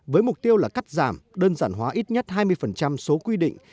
với mục tiêu là cắt giảm đơn giản hóa ít nhất hai mươi số quy định